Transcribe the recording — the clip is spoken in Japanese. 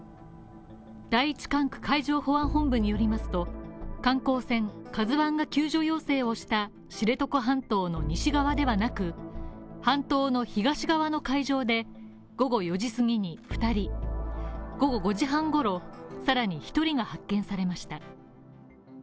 第１管区海上保安本部によりますと、観光船、「ＫＡＺＵ１」が救助要請をした知床半島の西側ではなく、半島の東側の海上で午後４時すぎに２人午後５時半ごろ、さらに１人が発見されました。